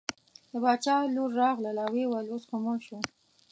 د باچا لور راغله وویل اوس خو مړ شو.